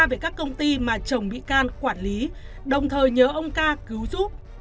về các công ty mà chồng bị can quản lý đồng thời nhớ ông ca cứu giúp